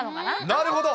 なるほど。